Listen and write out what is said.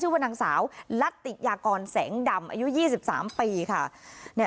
ชื่อเป็นนางสาวหลัตติกอยากรแสงดำอายุ๒๓ปีค่ะ